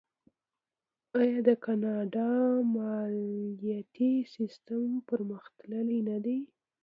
آیا د کاناډا مالیاتي سیستم پرمختللی نه دی؟